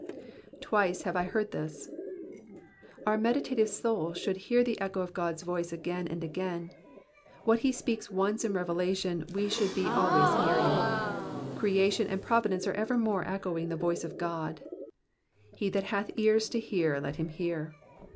*'2Vice Jiave I heard this.^^ Our meditative soul should hear the echo of God's voice again and again. What he speaks once in revela tion, we should be always hearing. Creation and providence are evermore echoing the voice of God ;" He that hath ears to hear, let him hear."